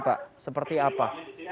pak seperti apa